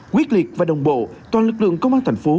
quyết liệt và đồng bộ toàn lực lượng công an thành phố